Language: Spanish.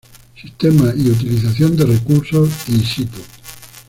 Sistemas y utilización de recursos in situ.